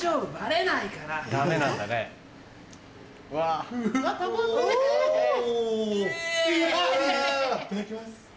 いただきます。